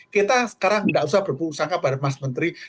kita sekarang tidak usah berpengusaha kepada mas menteri